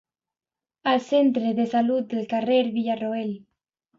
Al centre de salut del Carrer Villaroel.